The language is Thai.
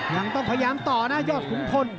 ยังต้องพยายามต่อนะยอดขุนพล